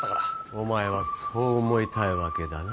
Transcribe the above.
お前はそう思いたいだけだな。